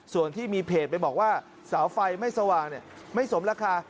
ส่วนที่มีเพจไปบอกว่าเสาไฟไม่สว่างไม่สมราคา